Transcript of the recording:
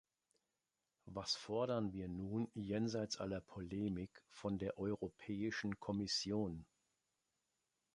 Was fordern wir nun, jenseits aller Polemik, von der Europäischen Kommission?